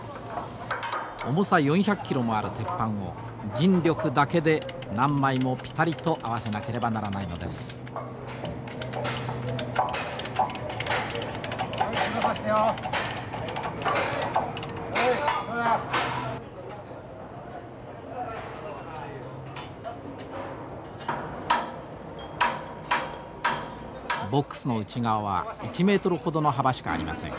重さ４００キロもある鉄板を人力だけで何枚もピタリと合わせなければならないのです。ボックスの内側は１メートルほどの幅しかありません。